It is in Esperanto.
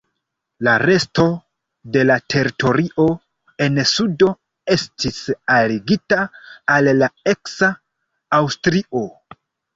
La resto de la teritorio en sudo estis aligita al la eksa Aŭstrio.